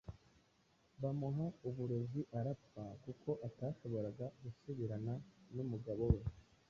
bamuha uburozi arapfa; kuko atashoboraga gusubirana n'umugabo we